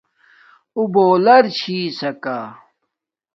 اُݸ بݳݸلر چھݵسَکݳ.